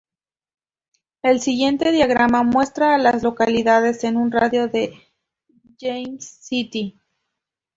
El siguiente diagrama muestra a las localidades en un radio de de James City.